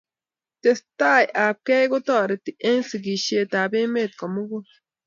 Testai ab kei kotareti eng' sigishet ab emet komug'ul